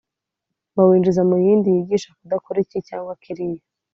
bawinjiza mu yindi yigisha kudakora iki cyangwa kiriya